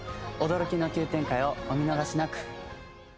驚きの急展開をお見逃しなく。